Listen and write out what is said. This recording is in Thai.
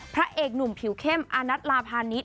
พระเอกหนุ่มผิวเข้มอานัทลาพาณิชย